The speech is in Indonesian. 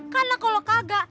karena kalau kagak